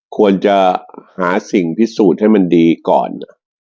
ควรจะหาสิ่งพิสูจน์ให้มันดีก่อน